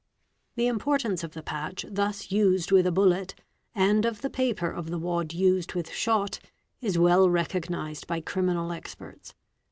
The importance of the patch thus used with a bullet, and of the paper _ of the wad used with shot, is well recognised by criminal experts.